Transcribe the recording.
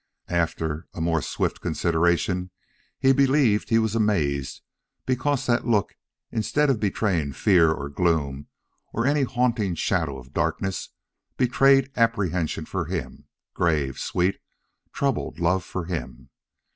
And after more swift consideration he believed he was amazed because that look, instead of betraying fear or gloom or any haunting shadow of darkness, betrayed apprehension for him grave, sweet, troubled love for him.